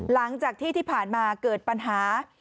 หลังจากที่ที่ผ่านมาเกิดปัญหา